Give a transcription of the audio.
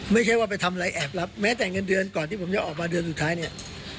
ไม่ใช่ว่าไปทำอะไรแอบรับแม้แต่เงินเดือนก่อนที่ผมจะออกมาเดือนสุดท้ายเนี่ย